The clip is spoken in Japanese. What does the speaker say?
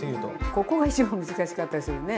ここが一番難しかったりするね。